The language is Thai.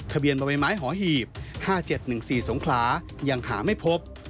ทะเบียนบ่อใบไม้หอหีบ๕๗๑๔สงขลายังหาไม่พบ